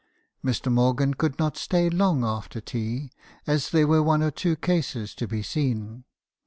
"Mr. Morgan could not stay long after tea, as there were one or two cases to be seen.